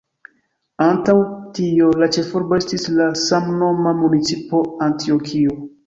Antaŭ tio, la ĉefurbo estis la samnoma municipo Antjokio.